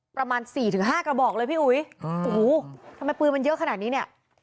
ประมาณสี่ถึงห้ากระบอกเลยพี่อุ๋ยโอ้โหทำไมปืนมันเยอะขนาดนี้เนี่ย